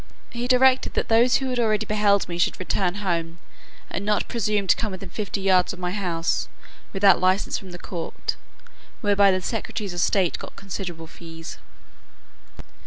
He directed that those who had already beheld me should return home, and not presume to come within fifty yards of my house, without license from the court; whereby the secretaries of state got considerable fees.